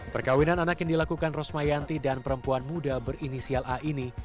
perkawinan anak yang dilakukan rosmayanti dan perempuan muda berinisial a ini